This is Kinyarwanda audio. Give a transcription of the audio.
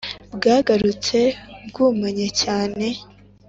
bwagarutse bwumanye, cyane